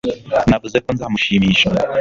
Navuze ko nzamushimisha